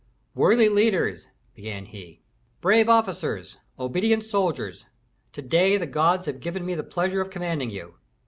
"Worthy leaders," began he, "brave officers, obedient soldiers! To day the gods have given me the pleasure of commanding you.